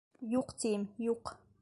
Юҡ, тием, юҡ!